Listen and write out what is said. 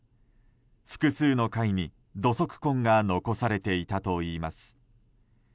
複数の階に土足痕が残されていたといいます。